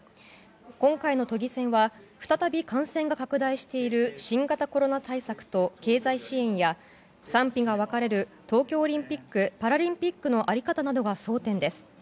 今回の都議選は再び感染が拡大している新型コロナ対策と経済支援や賛否が分かれる東京オリンピック・パラリンピックの在り方などが争点です。